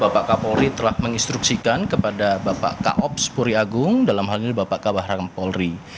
bapak kapolri telah menginstruksikan kepada bapak kaops puri agung dalam hal ini bapak kabah ram polri